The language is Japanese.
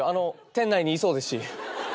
店内にいそうですし。